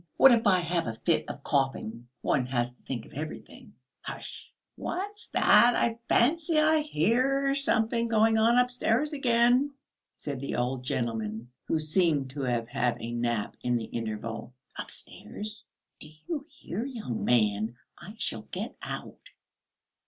What if I have a fit of coughing? One has to think of everything." "Hush!" "What's that? I fancy I hear something going on upstairs again," said the old gentleman, who seemed to have had a nap in the interval. "Upstairs?" "Do you hear, young man? I shall get out."